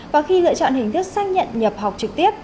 và khi lựa chọn hình thức xác nhận nhập học trực tiếp